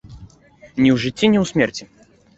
Ні ў жыцці, ні ў смерці.